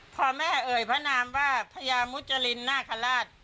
พอแม่เอ่ยพระนามว่าพญามุจรินนาคาราช